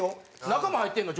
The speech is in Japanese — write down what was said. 中も入ってるの？